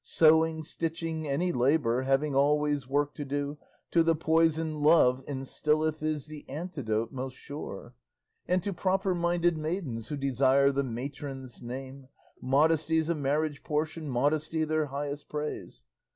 Sewing, stitching, any labour, Having always work to do, To the poison Love instilleth Is the antidote most sure. And to proper minded maidens Who desire the matron's name Modesty's a marriage portion, Modesty their highest praise.